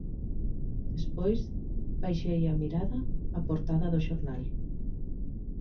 Despois, baixei a mirada á portada do xornal.